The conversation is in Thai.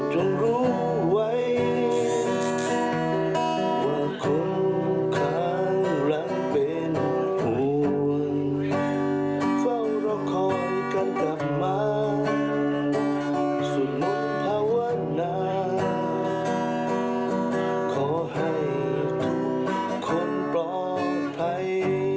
ให้ทุกคนปลอบภัย